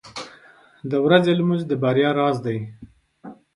• د ورځې لمونځ د بریا راز دی.